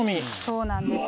そうなんです。